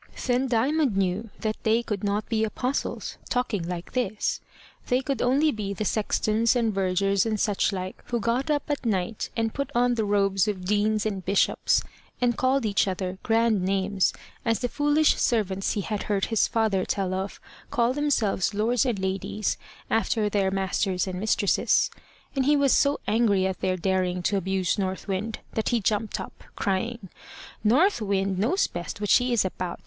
Then Diamond knew that they could not be Apostles, talking like this. They could only be the sextons and vergers and such like, who got up at night, and put on the robes of deans and bishops, and called each other grand names, as the foolish servants he had heard his father tell of call themselves lords and ladies, after their masters and mistresses. And he was so angry at their daring to abuse North Wind, that he jumped up, crying "North Wind knows best what she is about.